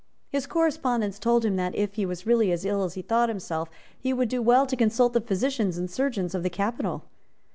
His correspondents told him that, if he was really as ill as he thought himself, he would do well to consult the physicians and surgeons of the capital.